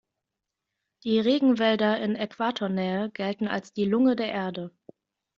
Die Regenwälder in Äquatornähe gelten als die Lunge der Erde.